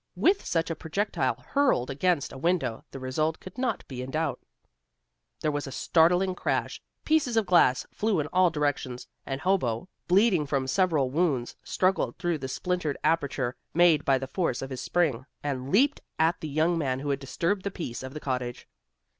With such a projectile hurled against a window, the result could not be in doubt. There was a startling crash. Pieces of glass flew in all directions, and Hobo, bleeding from several wounds, struggled through the splintered aperture made by the force of his spring, and leaped at the young man who had disturbed the peace of the cottage.